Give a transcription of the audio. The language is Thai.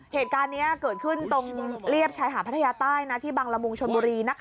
เหตุการณ์นี้เกิดขึ้นตรงเรียบชายหาดพัทยาใต้ที่บังละมุงชนบุรี